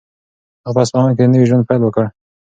هغه په اصفهان کې د نوي ژوند پیل وکړ.